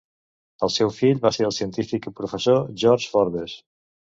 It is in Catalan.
El seu fill va ser el científic i professor George Forbes.